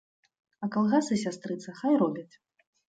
А калгасы, сястрыца, хай робяць.